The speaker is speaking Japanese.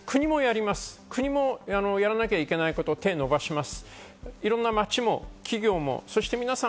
国もやらなきゃいけないことに手を伸ばします。